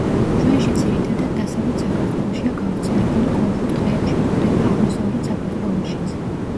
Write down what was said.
ჩვენში ძირითადად დასავლეთ საქართველოშია გავრცელებული კოლხურ ტყეებში, გვხვდება აღმოსავლეთ საქართველოშიც.